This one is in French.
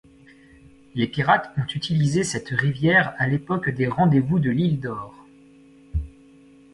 Les pirates ont utilisé cette rivière à l'époque des rendez-vous de l'île d'Or.